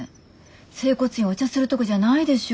整骨院お茶するとこじゃないでしょ